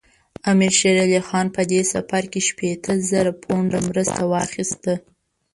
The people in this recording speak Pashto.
امیر شېر علي خان په دې سفر کې شپېته زره پونډه مرسته واخیسته.